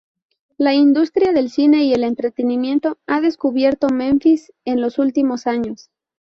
La industria del cine y el entretenimiento ha redescubierto Memphis en los últimos años.